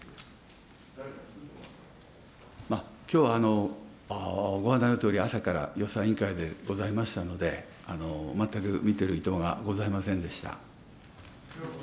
きょうはご案内のとおり、朝から予算委員会でございましたので、全く見てる暇がございませんでした。